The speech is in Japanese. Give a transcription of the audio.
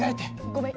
ごめん。